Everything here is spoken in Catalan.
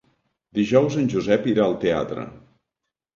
Dijous en Josep irà al teatre.